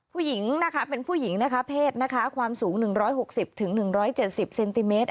ผู้หญิงนะคะเป็นผู้หญิงนะคะเพศนะคะความสูง๑๖๐๑๗๐เซนติเมตร